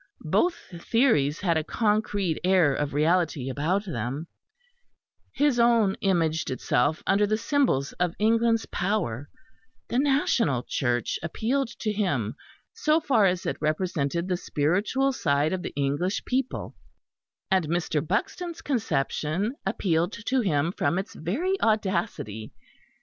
Both theories had a concrete air of reality about them; his own imaged itself under the symbols of England's power; the National Church appealed to him so far as it represented the spiritual side of the English people; and Mr. Buxton's conception appealed to him from its very audacity.